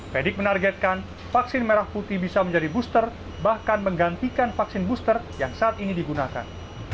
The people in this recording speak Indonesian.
fedik menargetkan vaksin merah putih bisa menjadi booster bahkan menggantikan vaksin booster yang saat ini digunakan